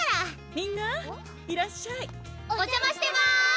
みんないらっしゃいおじゃましてます